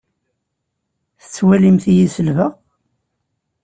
Tettwalimt-iyi selbeɣ?